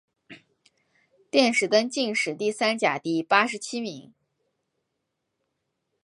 殿试登进士第三甲第八十七名。